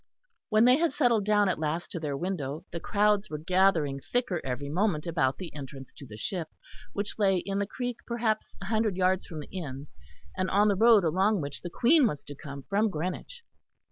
When they had settled down at last to their window, the crowds were gathering thicker every moment about the entrance to the ship, which lay in the creek perhaps a hundred yards from the inn, and on the road along which the Queen was to come from Greenwich.